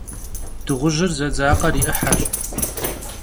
Dığujır zedzakher yi 'ıheş.